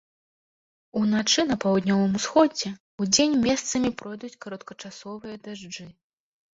Уначы на паўднёвым усходзе, удзень месцамі пройдуць кароткачасовыя дажджы.